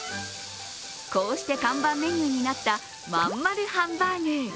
こうして看板メニューになったまん丸ハンバーグ。